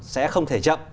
sẽ không thể chậm